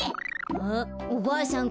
あおばあさん